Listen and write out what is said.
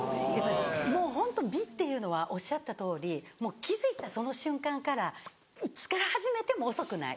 もうホント美っていうのはおっしゃったとおりもう気付いたその瞬間からいつから始めても遅くない。